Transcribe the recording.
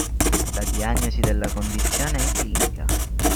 La diagnosi della condizione è clinica.